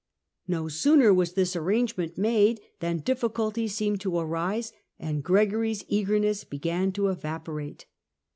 No sooner was this arrangement made than difficulties seemed to arise, and Gregory's eagerness began to evaporate.